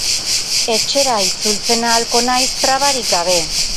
Etxera itzultzen ahalko haiz trabarik gabe.